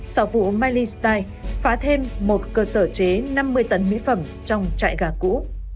sở vụ mileystyle phá thêm một cơ sở chế năm mươi tấn mỹ phẩm trong chạy gà cũ